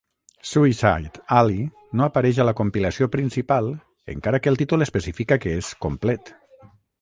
"Suicide Alley" no apareix a la compilació principal encara que el títol especifica que és "complet".